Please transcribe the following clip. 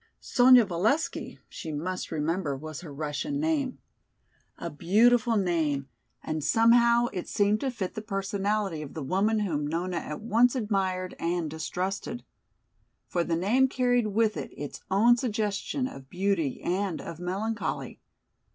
Sonya Valesky she must remember was her Russian name. A beautiful name and somehow it seemed to fit the personality of the woman whom Nona at once admired and distrusted. For the name carried with it its own suggestion of beauty and of melancholy.